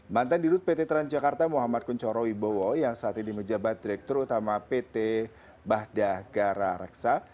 mantan dirut pt transjakarta muhammad kunchoro wibowo yang saat ini menjabat direktur utama pt bahdagara reksa